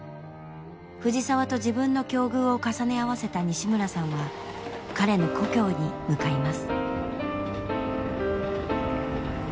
藤澤と自分の境遇を重ね合わせた西村さんは彼の故郷に向かいます。